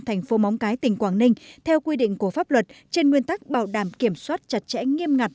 thành phố móng cái tỉnh quảng ninh theo quy định của pháp luật trên nguyên tắc bảo đảm kiểm soát chặt chẽ nghiêm ngặt